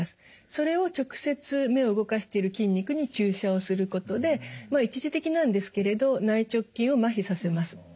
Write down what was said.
それを直接目を動かしている筋肉に注射をすることでまあ一時的なんですけれど内直筋を麻痺させます。